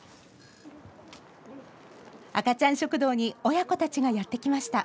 赤ちゃん食堂に親子たちがやってきました。